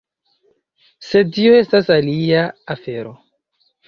Sed tio estas alia afero.